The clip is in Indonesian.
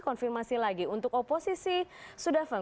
konfirmasi lagi untuk oposisi sudhafeng